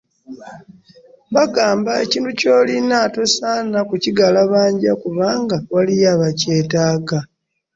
Bagamba ekintu ky'olina tosaana kukigalabanja kubanga waliyo abakyetaaga.